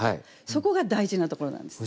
そこが大事なところなんです。